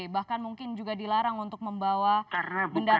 bahkan mungkin juga dilarang untuk membawa benda